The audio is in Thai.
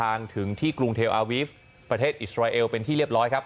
ภาพที่คุณผู้ชมเห็นอยู่นี้ครับเป็นเหตุการณ์ที่เกิดขึ้นทางประธานภายในของอิสราเอลขอภายในของปาเลสไตล์นะครับ